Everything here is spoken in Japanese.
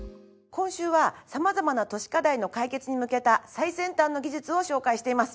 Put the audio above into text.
今週は様々な都市課題の解決に向けた最先端の技術を紹介しています。